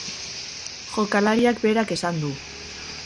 Jokalariak berak esan du.